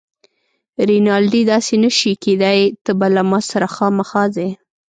رینالډي: داسې نه شي کیدای، ته به له ما سره خامخا ځې.